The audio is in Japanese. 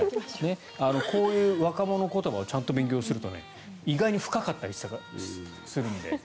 こういう若者言葉をちゃんと勉強すると意外に深かったりするので。